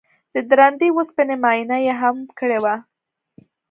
د درندې وسپنې معاینه یې هم کړې وه